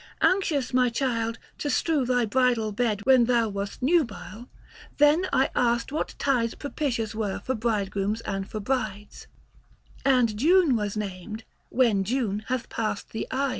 Anxious, my child, to strew thy bridal bed When thou wast nubile, then I asked what tides Propitious were for bridegrooms and for brides ; 265 And June was named, when June hath passed the Ides.